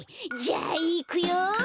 じゃあいくよ。